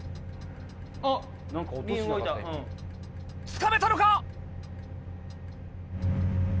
つかめたのか？